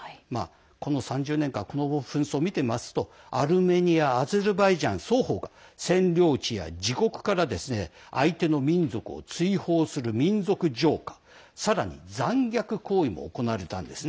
この３０年間この紛争を見ていますとアルメニアアゼルバイジャン双方が占領地や自国から相手の民族を追放する民族浄化さらに、虐殺行為も行われました。